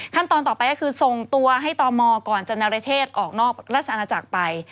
ต่อไปก็คือส่งตัวให้ตมก่อนจะนรเทศออกนอกราชอาณาจักรไป